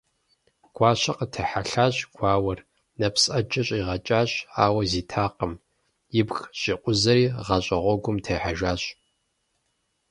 Гуащэ къытехьэлъащ гуауэр, нэпс Ӏэджэ щӀигъэкӀащ, ауэ зитакъым, – ибг щӀикъузэри гъащӀэ гъуэгум техьэжащ.